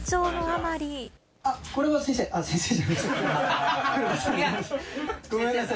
あっ、これは先生。